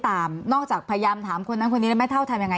ยายก็ยังแอบไปขายขนมแล้วก็ไปถามเพื่อนบ้านว่าเห็นไหมอะไรยังไง